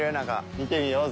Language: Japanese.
見てみる？